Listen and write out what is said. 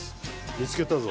見つけたぞ。